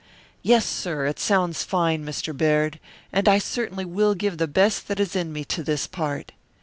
"Yes, sir; it sounds fine, Mr. Baird. And I certainly will give the best that is in me to this part."